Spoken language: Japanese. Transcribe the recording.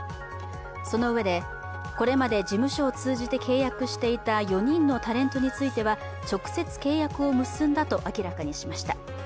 そのうえでこれまで事務所を通じて契約していた４人のタレントについては直接契約を結んだと明らかにしました。